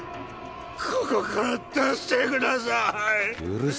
ここから出してください！